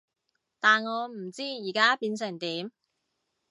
但我唔知而家變成點